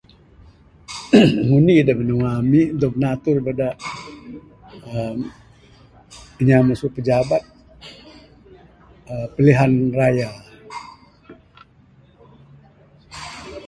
ngundi da binua ami dog natur bada uhh inya masu pejabat pilihan raya.